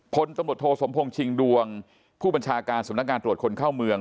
พลตำรวจโทสมพงษ์ชิงดวงผู้บัญชาการสำนักงานตรวจคนเข้าเมือง